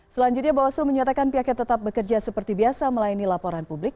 selanjutnya bawaslu menyatakan pihaknya tetap bekerja seperti biasa melayani laporan publik